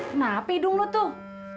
kenapa hidung lo tuh